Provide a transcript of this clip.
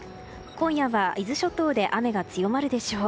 今夜は伊豆諸島で雨が強まるでしょう。